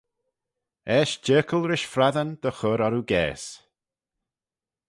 Eisht jerkal rish frassyn dy chur orroo gaase.